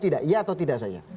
iya atau tidak